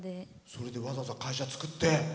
それでわざわざ会社作って。